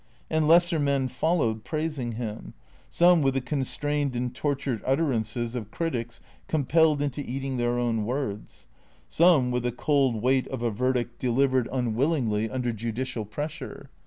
And lesser men followed, praising him; some with the constrained and tortured utterances of critics compelled into eating their own words ; some with the cold weight of a verdict delivered un 295 396 THE CREA TOES willingly under judicial pressure.